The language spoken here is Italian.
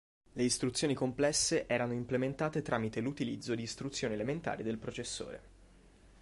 Le istruzioni complesse erano implementate tramite l'utilizzo di istruzioni elementari del processore.